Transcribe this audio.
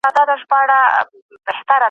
نړیوال سیاست د سولي لپاره اړین دی.